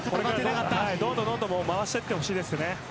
どんどん回していってほしいです。